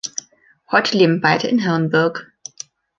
Heute leben beide in Herrenberg.